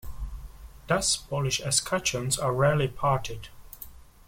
Thus Polish escutcheons are rarely parted.